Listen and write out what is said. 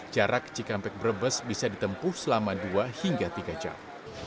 jarak cikampek brebes bisa ditempuh selama dua hingga tiga jam